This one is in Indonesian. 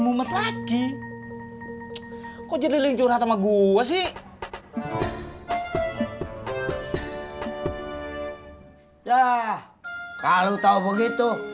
mumet lagi kok jadi licur hati magu wasi ya kalau tahu begitu